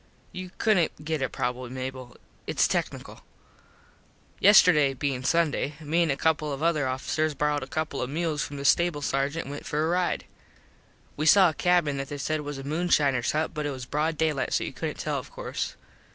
You couldnt get it probably Mable. Its tecknickle. Yesterday being Sunday me an a couple of other officers borrowed a couple of mules from the stable Sargent an went for a ride. We saw a cabin that they said was a moonshiners hut but it was broad daylight so you couldnt tell of course.